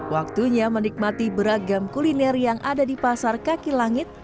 waktunya menikmati beragam kuliner yang ada di pasar kaki langit